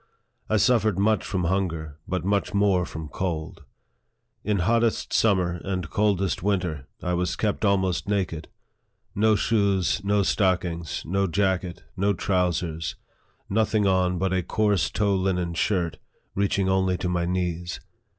I suffered much from hunger, but much more from cold. In hottest summer and coldest winter, I was kept almost naked no shoes, no stockings, no jacket, no trousers, nothing on but a coarse tow linen shirt, reach LIFE OF FREDERICK DOUGLASS. 27 ing only to my knees.